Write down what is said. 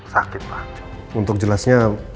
sakit untuk jelasnya